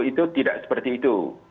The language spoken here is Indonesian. itu tidak seperti itu